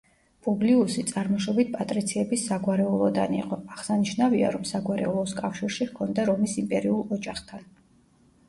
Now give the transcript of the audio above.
პუბლიუსი წარმოშობით პატრიციების საგვარეულოდან იყო, აღსანიშნავია, რომ საგვარეულოს კავშირში ჰქონდა რომის იმპერიულ ოჯახთან.